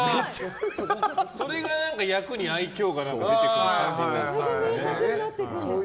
それが役に愛嬌が出てくる感じになったんですね。